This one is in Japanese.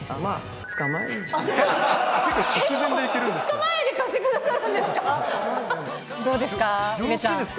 ２日前で貸してくださるんですか。